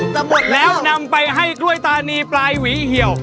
หมดแล้วนำไปให้กล้วยตานีปลายหวีเหี่ยว